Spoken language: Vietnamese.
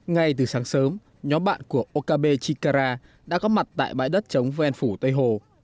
ngay từ sáng sớm nhóm bạn của okabe chikara đã có mặt tại bãi đất chống ven phủ tây hồ